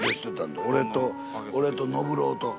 俺と俺と伸郎と。